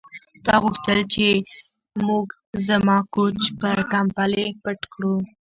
تا غوښتل چې موږ زما کوچ په کمپلې پټ کړو